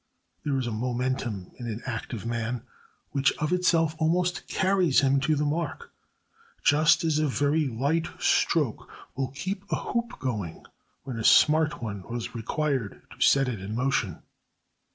There is a momentum in an active man which of itself almost carries him to the mark, just as a very light stroke will keep a hoop going when a smart one was required to set it in motion.